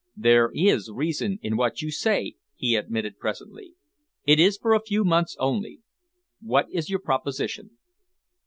"There is reason in what you say," he admitted presently. "It is for a few months only. What is your proposition?"